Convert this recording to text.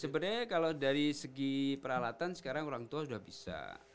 sebenarnya kalau dari segi peralatan sekarang orang tua sudah bisa